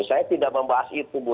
saya tidak membahas itu